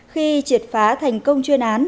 khi triệt phá thành công chuyên án